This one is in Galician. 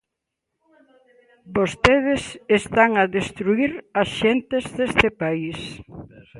Vostedes están a destruír as xentes deste país.